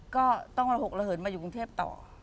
ก็ต้องระหกระเหินมาอยู่กรุงเทพต่อ